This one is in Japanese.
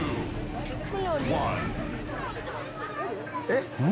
「えっ？」